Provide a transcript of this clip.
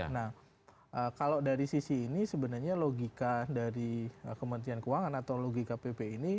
nah kalau dari sisi ini sebenarnya logika dari kementerian keuangan atau logika pp ini